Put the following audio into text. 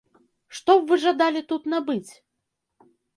Што б вы жадалі тут набыць?